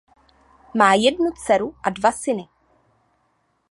Má jednu dceru a dva syny.